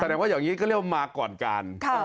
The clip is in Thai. แสดงว่าอย่างนี้ก็เรียกว่ามาก่อนการ